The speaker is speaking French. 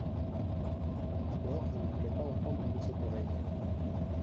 D'abord je ne voulais pas entendre de cette oreille.